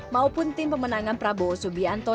maupun tim pemenangan prabowo subianto